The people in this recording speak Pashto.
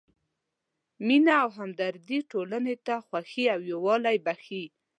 مینه او همدردي ټولنې ته خوښي او یووالی بښي.